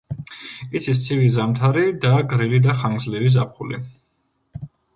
იცის ცივი ზამთარი და გრილი და ხანგრძლივი ზაფხული.